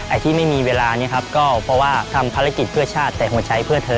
อาจที่ไม่มีเวลานำตะไว้ทำภารกิจเพื่อชาติแต่หงวดใช้เพื่อเธอ